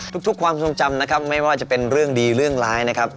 ทุกความทรงจำนะครับไม่ว่าจะเป็นเรื่องดีเรื่องร้ายนะครับ